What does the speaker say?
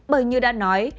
bởi như đã nói